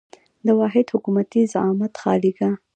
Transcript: د واحد حکومتي زعامت خالیګاه.